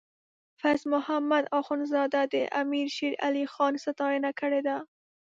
فیض محمد اخونزاده د امیر شیر علی خان ستاینه کړې ده.